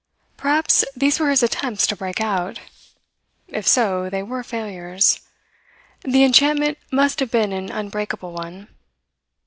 Perhaps these were his attempts to break out. If so, they were failures. The enchantment must have been an unbreakable one.